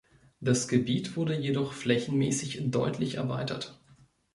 Das Gebiet wurde jedoch flächenmäßig deutlich erweitert.